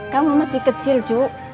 kamu masih kecil cuk